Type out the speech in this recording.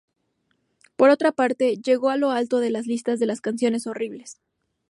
Por otra parte, llegó a lo alto de las listas de las "canciones horribles".